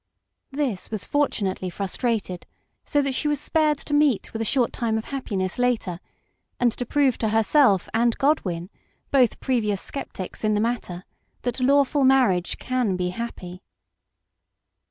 This was fortunately frustrated, so that she was spared to meet with a short time of happiness later, and to prove to herself and Godwin, both previous sceptics in the matter, that lawful marriage can be happy.